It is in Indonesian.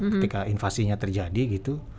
ketika invasinya terjadi gitu